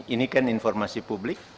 ini kan informasi publik